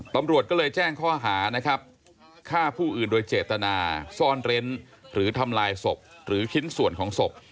ตำรวจก็เลยแจ้งข้อหานะครับฆ่าผู้อื่นโดยเจตนาซ่อนเร้นหรือทำลายศพหรือชิ้นส่วนของศพ